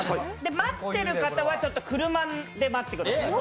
待ってる方は車で待っててください。